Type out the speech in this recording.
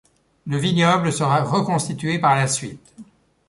Le vignoble sera reconstitué par la suite.